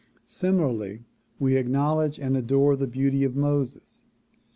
Similarly we acknowledge and adore the beauty of Moses.